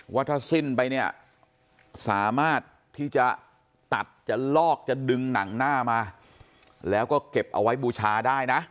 ว่าถ้าสิ้นไปเนี่ยสามารถที่จะตัดจะลอกจะดึงหนังหน้ามาแล้วก็เก็บเอาไว้บูชาได้นะ